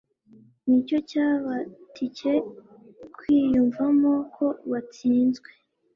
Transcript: nicyo cyabatcye kwiyumvamo ko batsinzwe.